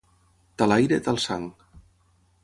Tal aire, tal sang.